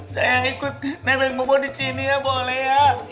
saya ikut nebeng bubo di sini ya boleh ya